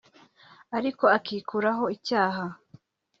ariko akikuraho icyaha